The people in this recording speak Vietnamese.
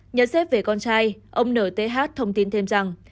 nhận xét về con trai ông nth thông tin thêm rằng